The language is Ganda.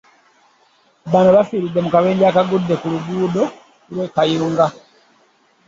Bano bafiiridde mu kabenje akagudde ku luguudo lw'e Kayunga.